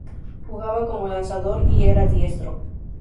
Jugaba como lanzador y era diestro.